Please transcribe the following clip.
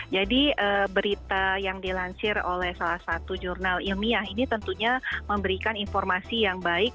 jadi berita yang dilansir oleh salah satu jurnal ilmiah ini tentunya memberikan informasi yang baik